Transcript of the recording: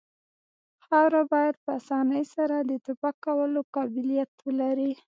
خاوره باید په اسانۍ سره د تپک کولو قابلیت ولري